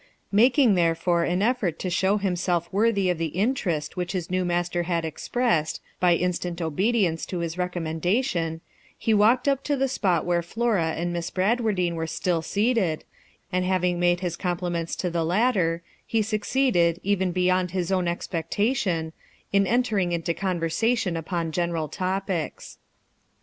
Making, therefore, an effort to show himself worthy of the interest which his new master had expressed, by instant obedience to his recommendation, he walked up to the spot where Flora and Miss Bradwardine were still seated, and having made his compliments to the latter, he succeeded, even beyond his own expectation, in entering into conversation upon general topics.